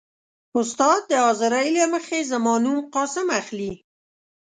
. استاد د حاضرۍ له مخې زما نوم «قاسم» اخلي.